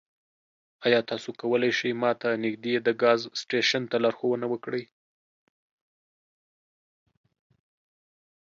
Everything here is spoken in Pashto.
ایا تاسو کولی شئ ما ته نږدې د ګاز سټیشن ته لارښوونه وکړئ؟